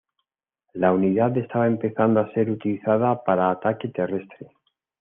La unidad estaba empezando a ser utilizada para ataque terrestre.